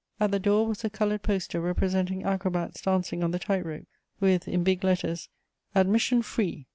At the door was a coloured poster representing acrobats dancing on the tight rope, with, in big letters, ADMISSION FREE.